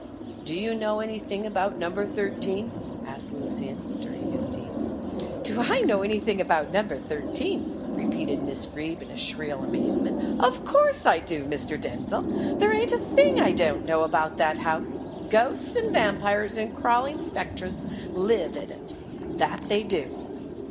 "Do you know anything about No. 13?" asked Lucian, stirring his tea. "Do I know anything about No. 13?" repeated Miss Greeb in shrill amazement. "Of course I do, Mr. Denzil. There ain't a thing I don't know about that house. Ghosts and vampires and crawling spectres live in it that they do."